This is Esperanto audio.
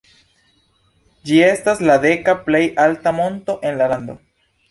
Ĝi estas la deka plej alta monto en la lando.